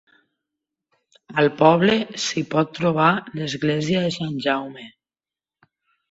Al poble s'hi pot trobar l'església de Sant Jaume.